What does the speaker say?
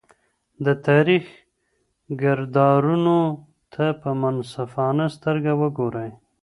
د تاریخ کردارونو ته په منصفانه سترګه وګورئ.